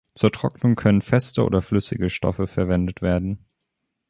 Zur Trocknung können feste oder flüssige Stoffe verwendet werden.